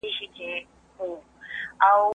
سياست پوهنه د بشري پوهې يوه ستره خزانه ده.